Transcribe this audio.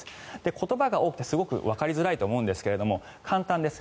言葉が多くてすごくわかりづらいと思うんですが簡単です。